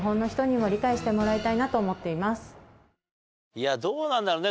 いやどうなんだろうね？